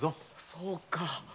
そうか。